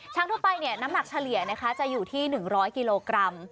ช้างทั่วไปเนี่ยน้ำหนักเฉลี่ยนะคะจะอยู่ที่๑๐๐กิโลกรัม